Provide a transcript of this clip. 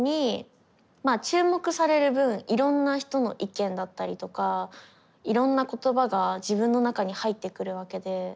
注目される分いろんな人の意見だったりとかいろんな言葉が自分の中に入ってくるわけで。